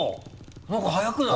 何か速くない？